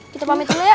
kita pamit dulu ya